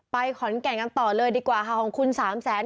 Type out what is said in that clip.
ขอนแก่นกันต่อเลยดีกว่าค่ะของคุณสามแสน